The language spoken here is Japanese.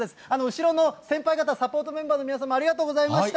後ろの先輩方、サポートメンバーの皆さんもありがとうございました。